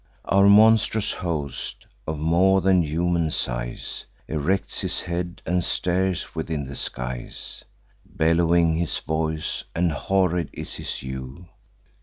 Our monstrous host, of more than human size, Erects his head, and stares within the skies; Bellowing his voice, and horrid is his hue.